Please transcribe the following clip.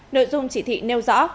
nội dung chỉ thị nêu rõ